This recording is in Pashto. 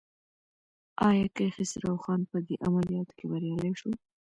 ایا کیخسرو خان په دې عملیاتو کې بریالی شو؟